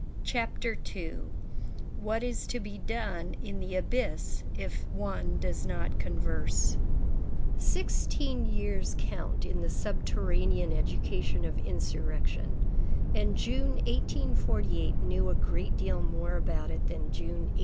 CHAPTER II—WHAT IS TO BE DONE IN THE ABYSS IF ONE DOES NOT CONVERSE Sixteen years count in the subterranean education of insurrection, and June, 1848, knew a great deal more about it than June, 1832.